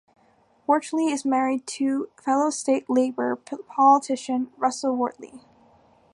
Wortley is married to fellow state Labor politician Russell Wortley.